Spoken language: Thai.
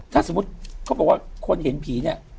ถ้าสมมุติเขาบอกว่าคนเห็นผีเนี่ย